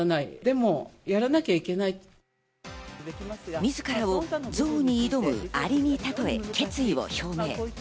自らをゾウに挑むアリに例え、決意を表明。